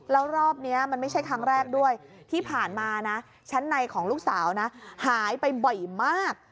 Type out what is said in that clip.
แล้วรอบนี้มันไม่ใช่ครั้งแรกด้วยที่ผ่านมานะชั้นในของลูกสาวนะหายไปบ่อยมาก